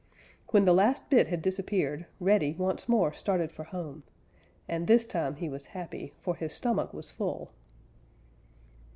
When the last bit had disappeared, Reddy once more started for home, and this time he was happy, for his stomach was full.